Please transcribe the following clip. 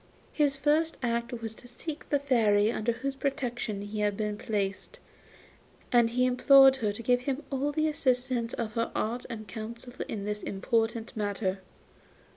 His first act was to seek the Fairy under whose protection he had been placed, and he implored her to give him all the assistance of her art and counsel in this important matter.